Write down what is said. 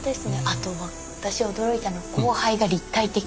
あとは私驚いたの光背が立体的。